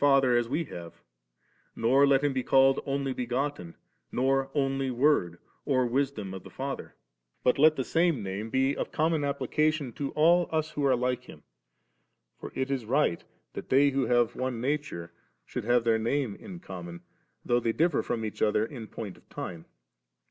Father as we have; nor let Him be called Only begotten, nor Only Word or Wisdom of the Father ; but let the same name be of com mon application to all us who are like Him. For it IS right, that they who have one nature, should have their name in common, though they differ from each other in point of time.